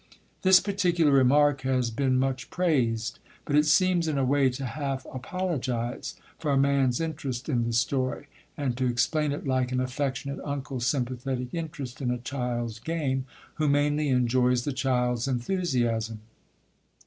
This particular remark has been much praised; but it seems in a way to half apologise for a man's interest in the story, and to explain it like an affectionate uncle's sympathetic interest in a child's game, who mainly enjoys the child's enthusiasm.